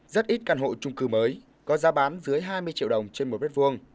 rất ít căn hộ trung cư mới có giá bán dưới hai mươi triệu đồng trên một mét vuông